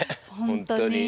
本当に。